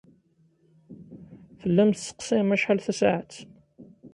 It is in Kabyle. Tellam tesseqsayem acḥal tasaɛet.